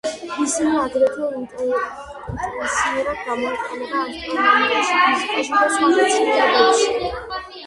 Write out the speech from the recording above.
ისინი აგრეთვე ინტენსიურად გამოიყენება ასტრონომიაში, ფიზიკაში და სხვა მეცნიერებებში.